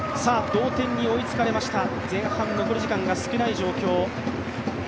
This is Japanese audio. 同点に追いつかれました、前半残り時間が少ない状況。